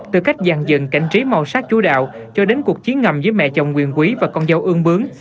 từ cách dàn dần cảnh trí màu sắc chú đạo cho đến cuộc chiến ngầm với mẹ chồng quyền quý và con dâu ương bướng